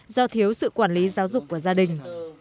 do thiếu sự quản lý giáo dục của gia đình